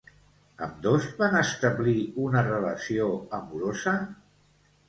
Ambdós van establir una relació amorosa?